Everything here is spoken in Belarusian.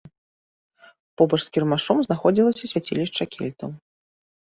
Побач з кірмашом знаходзілася свяцілішча кельтаў.